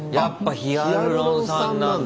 ヒアルロン酸なんだ。